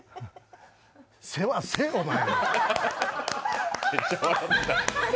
世話せい、お前。